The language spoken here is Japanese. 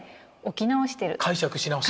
解釈し直す。